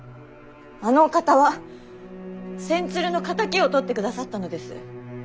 あのお方は千鶴の敵をとってくださったのです。